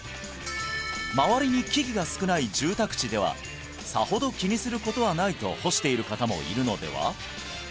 周りに木々が少ない住宅地ではさほど気にすることはないと干している方もいるのでは？